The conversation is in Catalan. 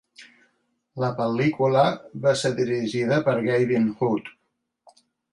La pel·lícula va ser dirigida per Gavin Hood.